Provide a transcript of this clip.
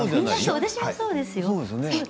私もそうです。